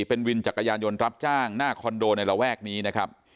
เป็นวินจักรยานยนต์รับจ้างหน้าคอนโดในระแวกนี้นะครับ